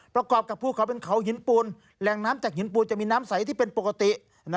ประกอบกับภูเขาเป็นเขาหินปูนแหล่งน้ำจากหินปูนจะมีน้ำใสที่เป็นปกติ